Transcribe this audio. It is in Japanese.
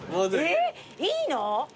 えっいいの？